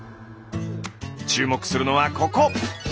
注目するのはここ！